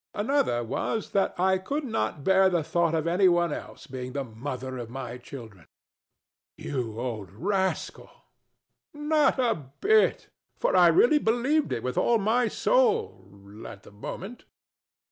Another was that I could not bear the thought of anyone else being the mother of my children. DON JUAN. [revolted] You old rascal! THE STATUE. [Stoutly] Not a bit; for I really believed it with all my soul at the moment.